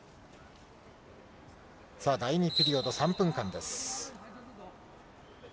さあ、第２ピリオド、３分間です。